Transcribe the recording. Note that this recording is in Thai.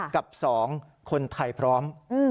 กับ๒คนไทยพร้อม